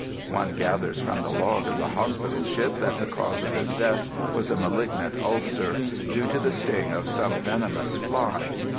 One gathers from the log of the hospital ship that the cause of his death was a malignant ulcer, due to the sting of some venomous fly.